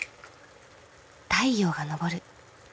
太陽が昇る。